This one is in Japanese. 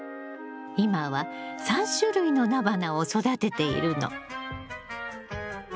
今は３種類のナバナを育てているの。